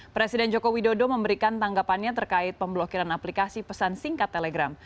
presiden joko widodo memberikan tanggapannya terkait pemblokiran aplikasi pesan singkat telegram